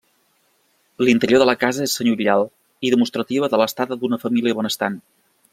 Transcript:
L'interior de la casa és senyorial i demostrativa de l'estada d'una família benestant.